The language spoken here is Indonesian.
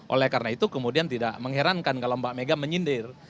oleh karena itu kemudian tidak mengherankan kalau mbak mega menyindir